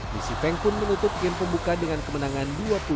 lisi feng pun menutup game pembuka dengan kemenangan dua puluh satu tiga belas